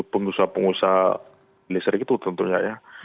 pengusaha pengusaha listrik itu tentunya ya